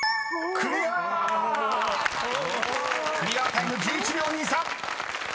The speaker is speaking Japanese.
［クリアタイム１１秒２３］